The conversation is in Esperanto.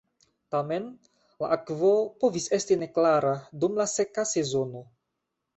Tamen, la akvo povis esti neklara dum la seka sezono.